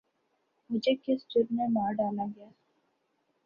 مجھے کس جرم میں مار ڈالا گیا؟